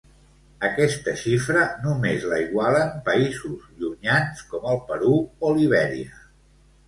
Aquesta xifra només la igualen països llunyans com el Perú o Libèria.